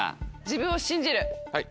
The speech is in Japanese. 自分を信じる。